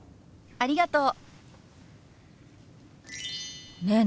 ありがとう！